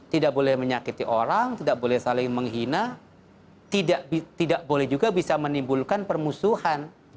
tidak boleh menyakiti orang tidak boleh saling menghina tidak boleh juga bisa menimbulkan permusuhan